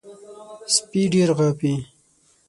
سپي ډېر غاپي .